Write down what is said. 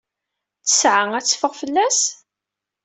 Ttesɛa ad teffeɣ fell-as?